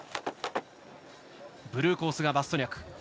ブルーコースがマストニャク。